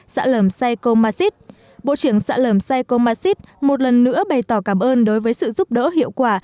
xã lầm saigon masit bộ trưởng xã lầm saigon masit một lần nữa bày tỏ cảm ơn đối với sự giúp đỡ hiệu quả